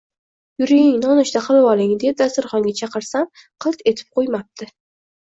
Yuring, nonushta qilvoling, deb dasturxonga chaqirsayam, qilt etib qo‘ymabdi